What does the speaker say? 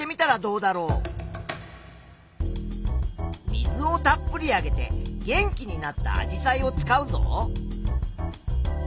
水をたっぷりあげて元気になったアジサイを使うぞ。